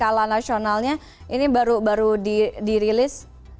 kala nasionalnya ini baru baru dirilis